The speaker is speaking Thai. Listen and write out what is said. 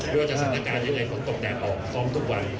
ไม่ว่าจะสถานการณ์ยังไงฝนตกแดดออกซ้อมทุกวัน